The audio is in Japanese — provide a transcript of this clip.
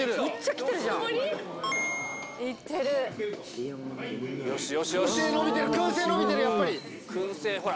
くん製伸びてる、くん製伸びてる、やっぱり！